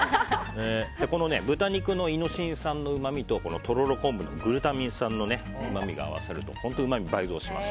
この豚肉のイノシン酸のうまみととろろ昆布のグルタミン酸のうまみが合わさると本当にうまみが倍増します。